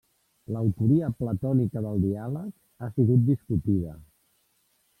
L'autoria platònica del diàleg ha sigut discutida.